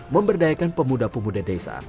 memberdayakan pemuda pemuda desa